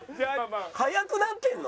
速くなってるの？